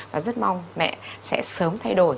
và rất mong mẹ sẽ sớm thay đổi